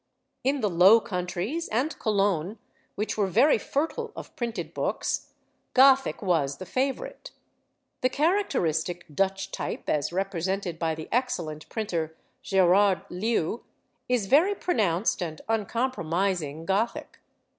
In the Low Countries and Cologne, which were very fertile of printed books, Gothic was the favourite. The characteristic Dutch type, as represented by the excellent printer Gerard Leew, is very pronounced and uncompromising Gothic.